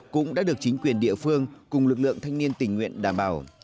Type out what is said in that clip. cũng đã được chính quyền địa phương cùng lực lượng thanh niên tình nguyện đảm bảo